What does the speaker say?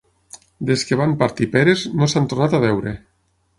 Des que van partir peres, no s'han tornat a veure.